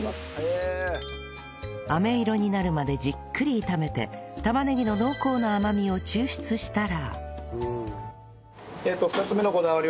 あめ色になるまでじっくり炒めて玉ねぎの濃厚な甘みを抽出したら